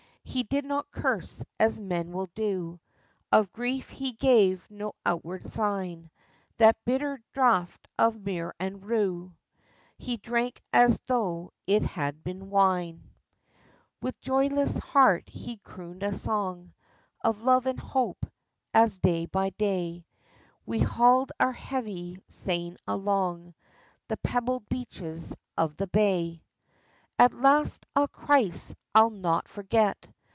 He did not curse as men will do, Of grief he gave no outward sign ; That bitter draught of myrrh and rue He drank as though it had been wine. i8 THE FISHERMAN'S STORY. WitH joyless heart he crooned a song Of love and hope, as day by day We hauled our heavy seine along The pebbled beaches of the bay. At last— ah Christ, I'll not forget